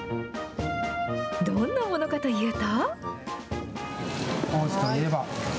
どんなものかというと。